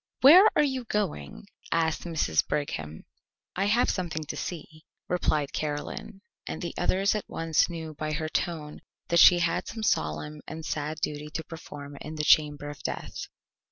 "Where are you going?" asked Mrs. Brigham. "I have something to see to," replied Caroline, and the others at once knew by her tone that she had some solemn and sad duty to perform in the chamber of death.